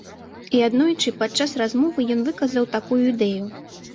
І аднойчы падчас размовы ён выказаў такую ідэю.